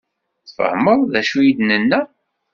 Tfehmeḍ d acu i d-nenna?